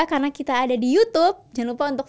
karena kita ada di youtube jangan lupa untuk